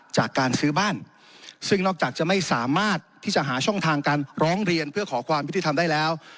จากการซื้อบ้านซึ่งนอกจากจะไม่สามารถที่จะหาช่องทางการร้องเรียนเพื่อขอความยุติธรรมได้แล้ว